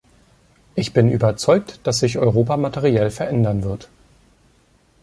Ich bin überzeugt, dass sich Europa materiell verändern wird.